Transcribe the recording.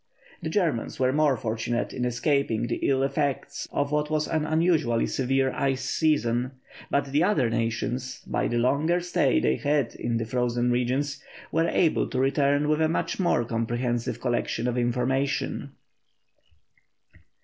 The Germans were more fortunate in escaping the ill effects of what was an unusually severe ice season; but the other nations, by the longer stay they had in the frozen regions, were able to return with a much more comprehensive collection of information.